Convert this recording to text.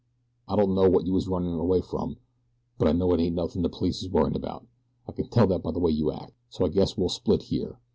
I don't know what you're runnin' away from; but I know it ain't nothin' the police is worryin' about I can tell that by the way you act so I guess we'll split here.